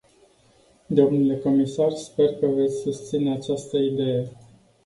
Domnule comisar, sper că veți susține această idee.